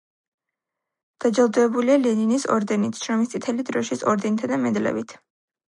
დაჯილდოებულია ლენინის ორდენით, შრომის წითელი დროშის ორდენითა და მედლებით.